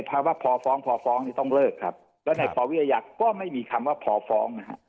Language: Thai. ไอ้ภาพว่าพอฟ้องพอฟ้องนี่ต้องเลิกครับแล้วในปรวิยักษ์ก็ไม่มีคำว่าพอฟ้องนะครับ